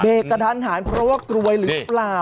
เบรกกับทันหาดเพราะว่ากลวยหรือเปล่า